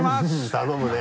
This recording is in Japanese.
頼むね。